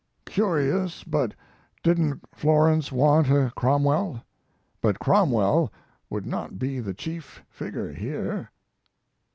Curious, but didn't Florence want a Cromwell? But Cromwell would not be the chief figure here.